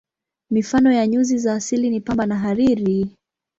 Mifano ya nyuzi za asili ni pamba na hariri.